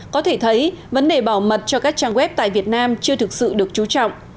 có thể thấy vấn đề bảo mật cho các trang web tại việt nam chưa thực sự được chú trọng